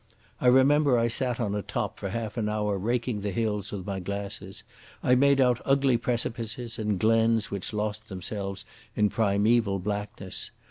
I remember I sat on a top for half an hour raking the hills with my glasses. I made out ugly precipices, and glens which lost themselves in primeval blackness.